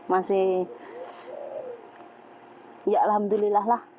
masih ya alhamdulillah lah